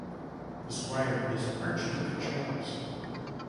The squire is Archduke Charles.